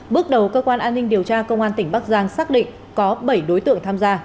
bước đầu cơ quan an ninh điều tra công an tỉnh bắc giang xác định có bảy đối tượng tham gia